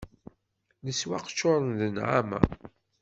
Leswaq ččuren d nneɛma